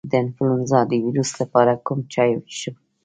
د انفلونزا د ویروس لپاره کوم چای وڅښم؟